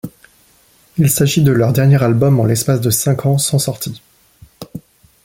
Il s'agit de leur dernier album en l'espace de cinq ans sans sortie.